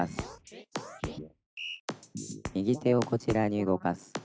「右手をこちらに動かす」ピッ！